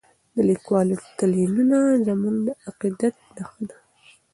د لیکوالو تلینونه زموږ د عقیدت نښه ده.